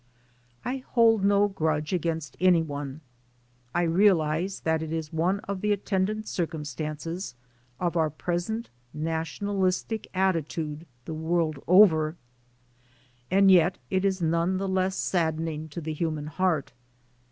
I hold no grudge against any one; I realize that it is one of the attendant cir cumstances of our present nationalistic attitude the world over, and yet it is none the less saddening to the human heart.